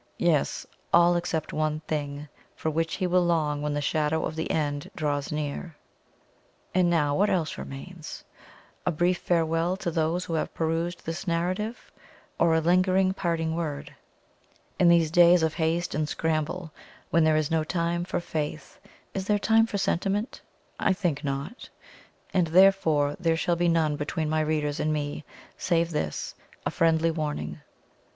yes all except one thing, for which he will long when the shadow of the end draws near. And now what else remains? A brief farewell to those who have perused this narrative, or a lingering parting word? In these days of haste and scramble, when there is no time for faith, is there time for sentiment? I think not. And therefore there shall be none between my readers and me, save this a friendly warning.